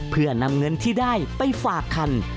เพื่อนำเงินที่ได้ไปฝากคัน